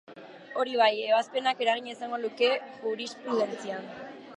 Hori bai, ebazpenak eragina izango luke jurisprudentzian.